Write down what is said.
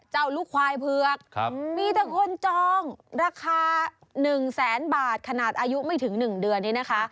เจ้าลูกควายเพือกมีทางคนจองราคา๑แสนบาทคณาอายุไม่ถึง๑เดือน